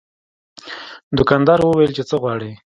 دوکاندار وویل چې څه غواړې.